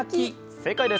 正解です。